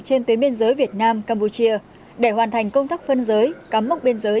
trên tuyến biên giới việt nam campuchia để hoàn thành công tác phân giới cắm mốc biên giới